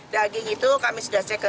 daging itu kami sudah sempat